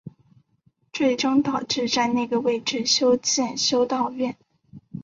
最终导致在那个位置修建修道院。